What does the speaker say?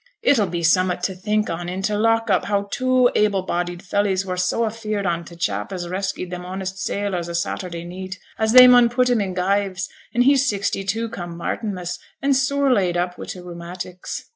'It 'll be summut to think on i' t' lock up how two able bodied fellys were so afeared on t' chap as reskyed them honest sailors o' Saturday neet, as they mun put him i' gyves, and he sixty two come Martinmas, and sore laid up wi' t' rheumatics.'